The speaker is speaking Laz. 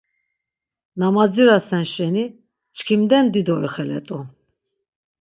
Na madzirasen şeni, çkimden dido ixelet̆u.